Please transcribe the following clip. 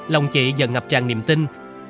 lòng chị dần ngập tràn niềm tin